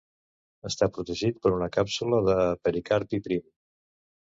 Està protegit per una càpsula de pericarpi prim.